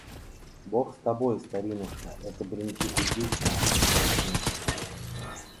– Бог с тобой, старинушка! Это бренчит уздечка, а не полтина».